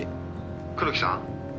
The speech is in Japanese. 「黒木さん？」